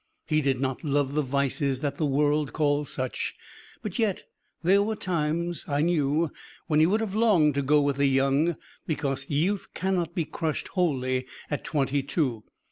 He did not love the vices that the world calls such. But yet there were times, I knew, when he would have longed to go with the young, because youth cannot be crushed wholly at twenty two.